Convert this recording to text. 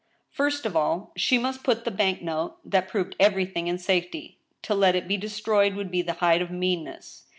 First of all, she must put the bank note, that proved everything, in safety. To let it be destroyed would be the height of meanness.